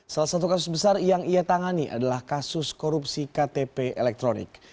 salah satu kasus besar yang ia tangani adalah kasus korupsi ktp elektronik